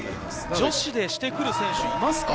女子でしてくる選手はいますか？